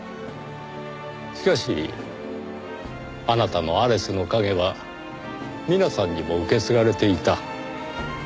しかしあなたのアレスの影はミナさんにも受け継がれていた。